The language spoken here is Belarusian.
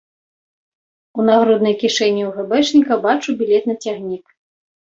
У нагруднай кішэні ў гэбэшніка бачу білет на цягнік.